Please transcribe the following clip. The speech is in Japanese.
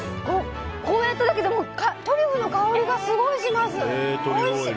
こうやっただけでトリュフの香りがすごいします！